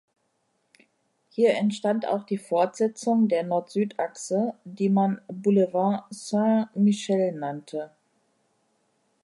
Hier entstand auch die Fortsetzung der Nord-Süd-Achse, die man Boulevard Saint-Michel nannte.